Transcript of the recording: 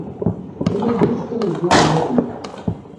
علم هيڅکله زوړ نه دی.